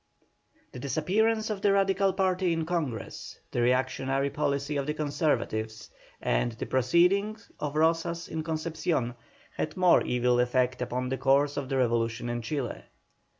The disappearance of the Radical party in Congress, the reactionary policy of the Conservatives, and the proceedings of Rozas at Concepcion, had most evil effect upon the course of the revolution in Chile.